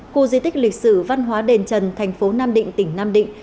khu di tích lịch sử văn hóa đền trần thành phố nam định tỉnh nam định